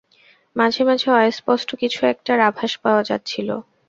মাঝে মাঝে, অস্পষ্ট কিছু একটার আভাস পাওয়া যাচ্ছিলো।